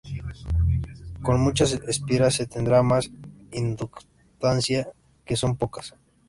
Con muchas espiras se tendrá más inductancia que con pocas.